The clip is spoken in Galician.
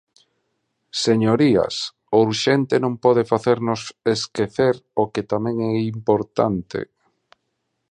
Señorías, o urxente non pode facernos esquecer o que tamén é importante.